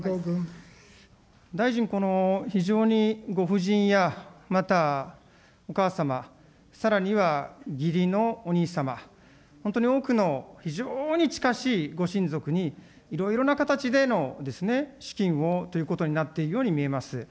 大臣、この非常にご夫人や、またお母様、さらには義理のお兄様、本当に多くの非常に近しいご親族に、いろいろな形での資金をということになっているように見えます。